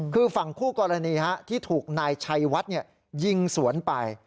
คือฝั่งคู่กรณีที่ถูกนายชัยวัดยิงสวนไป